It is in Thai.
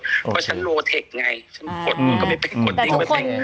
เพราะฉันโลเทคไงก็ไม่เป็นคนเดียว